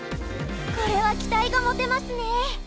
これは期待が持てますね。